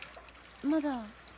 まだ。